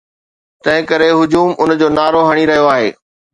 تنهن ڪري هجوم ان جو نعرو هڻي رهيو آهي.